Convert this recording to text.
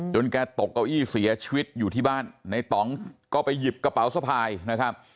แกตกเก้าอี้เสียชีวิตอยู่ที่บ้านในต่องก็ไปหยิบกระเป๋าสะพายนะครับ